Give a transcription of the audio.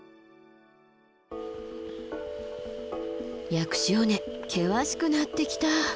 薬師尾根険しくなってきた。